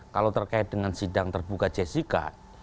kalau terkait dengan sidang terbuka jessica